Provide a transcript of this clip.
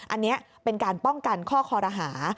อันนี้เป็นการป้องกันข้อคอรหา